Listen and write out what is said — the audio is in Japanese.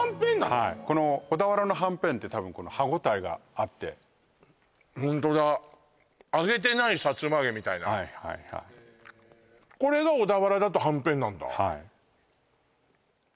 はいこの小田原のはんぺんって多分この歯応えがあってホントだ揚げてないさつま揚げみたいなこれが小田原だとはんぺん？